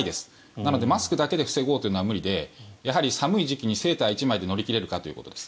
なので、マスクだけで防ごうというのは無理でやはり寒い時期にセーター１枚で乗り切れるかということです。